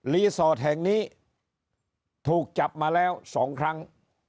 รีสอร์ทแห่งนี้ถูกจับมาแล้วสองครั้ง